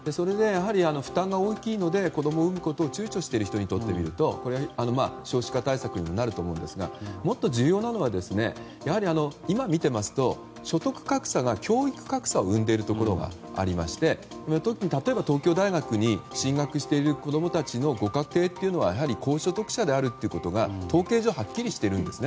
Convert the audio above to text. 負担が大きいので子供を生むことを躊躇している人にとっては少子化対策になると思うんですがもっと重要なのは今、見ていますと所得格差が教育格差を生んでいるところがありまして例えば、東京大学に進学している子供たちのご家庭というのはやはり高所得者であることが統計上はっきりしてるんです。